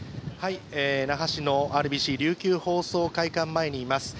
那覇市のＲＢＣ琉球放送会館前にいます。